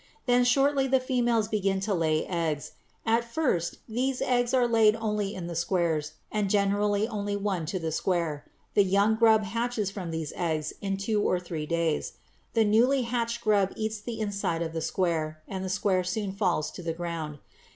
Then shortly the females begin to lay eggs. At first these eggs are laid only in the squares, and generally only one to the square. The young grub hatches from these eggs in two or three days. The newly hatched grub eats the inside of the square, and the square soon falls to the ground.